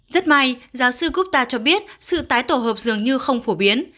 rất may giáo sư gota cho biết sự tái tổ hợp dường như không phổ biến